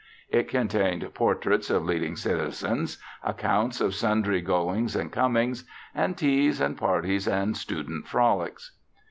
It contained portraits of leading citizens, accounts of sundry goings and comings, and teas and parties and student frolics.